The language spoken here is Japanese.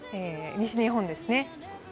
西日本ですね。